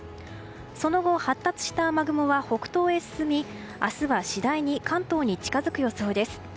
その後、発達した雨雲は北東に進み明日は次第に関東に近づく予想です。